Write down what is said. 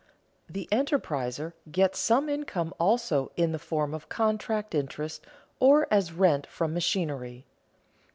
The enterpriser gets some income also in the form of contract interest, or as rent from machinery.